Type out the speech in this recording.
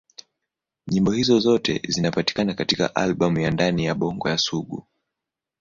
Nyimbo hizo zote zinapatikana katika albamu ya Ndani ya Bongo ya Sugu.